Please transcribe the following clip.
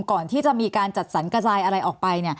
ก่อนที่จะมีการจัดสรรกระจายอะไรออกไป